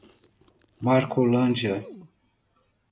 Marcolândia